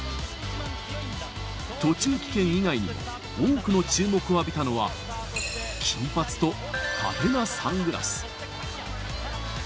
途中棄権以外にも多くの注目を浴びたのは、金髪と派手なサングラス。